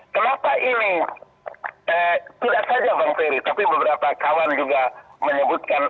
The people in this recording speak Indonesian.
kenapa ini tidak saja bang ferry tapi beberapa kawan juga menyebutkan